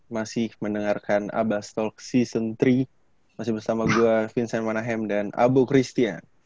masih mendengarkan abastalk season tiga masih bersama gue vincent manahem dan abu christian